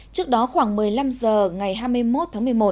trước đó khoảng một mươi năm h ngày hai mươi một tháng một mươi một